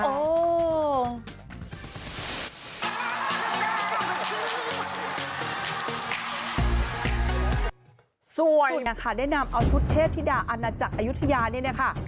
ทุกอย่างค่ะได้นำชุดเทพิดาอันธักอยู่ในเมืองนี้นะคะ